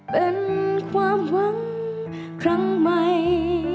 เป็นความหวังครั้งใหม่